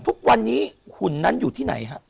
ทุกวันนี้หุ่นนั้นอยู่ที่ไหนฮะ